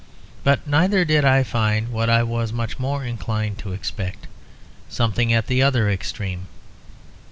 But neither did I find what I was much more inclined to expect; something at the other extreme.